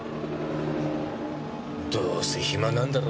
どうせ暇なんだろ。